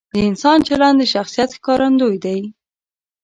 د انسان چلند د شخصیت ښکارندوی دی.